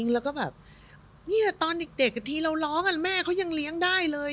นี่ตอนเด็กทีเราร้องแม่เค้ายังเลี้ยงได้เลย